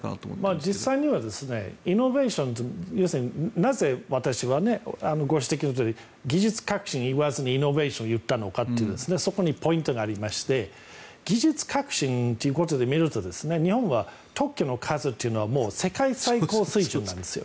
実際にはイノベーション要するになぜ私はご指摘のとおり技術革新を言わずにイノベーションを言ったのかとそこにポイントがありまして技術革新ということで見ると日本は特許の数というのは世界最高水準なんですよ。